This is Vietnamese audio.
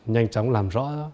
nhanh chóng làm rõ